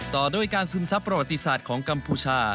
ต่อด้วยการซึมซับประวัติศาสตร์ของกัมพูชา